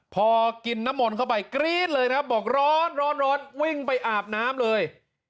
พอกินน้ำหม่นเข้าไปกรี๊ดเลยนะบอกร้อนวิ่งไปอาบน้ำเลย